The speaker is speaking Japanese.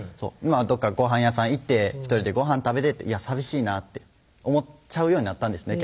どっかごはん屋さん行って１人でごはん食べてって寂しいなって思っちゃうようになったんですね